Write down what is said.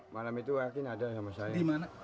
malam itu bekerja lagi badan dalam kue di bunga